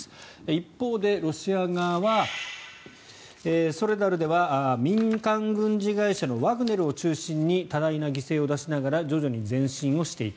一方でロシア側はソレダルでは民間軍事会社のワグネルを中心に多大な犠牲を出しながら徐々に前進をしていた。